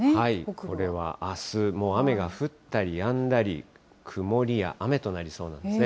これはあす、もう雨が降ったりやんだり、曇りや雨となりそうなんですね。